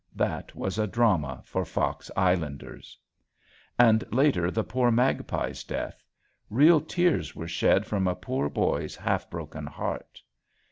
That was a drama for Fox Islanders. And later the poor magpie's death. Real tears were shed from a poor boy's half broken heart.